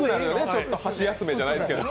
ちょっと箸休めじゃないですけど。